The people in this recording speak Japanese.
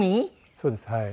そうですはい。